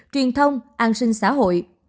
truyền thông an sinh xã hội